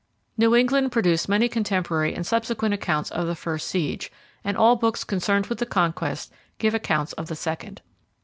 New England produced many contemporary and subsequent accounts of the first siege, and all books concerned with the Conquest give accounts of the second.